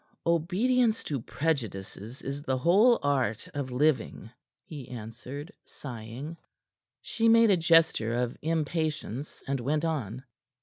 "Obedience to prejudices is the whole art of living," he answered, sighing. She made a gesture of impatience, and went on.